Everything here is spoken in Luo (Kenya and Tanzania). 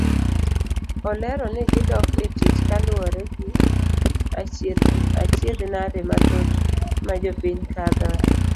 Olero ni gidok etich kaluwore gi achiedh nade mathoth majopiny kadhoe.